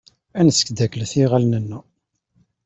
Ad nesdakklet iɣallen-nneɣ.